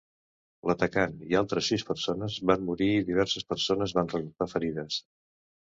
L'atacant i altres sis persones van morir i diverses persones van resultar ferides.